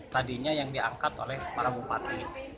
tadinya yang diangkat oleh para bupati